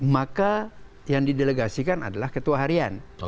maka yang didelegasikan adalah ketua harian